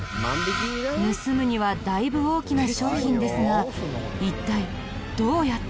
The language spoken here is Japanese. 盗むにはだいぶ大きな商品ですが一体どうやって？